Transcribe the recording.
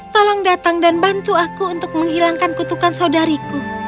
tolong datang dan bantu aku untuk menghilangkan kutukan saudariku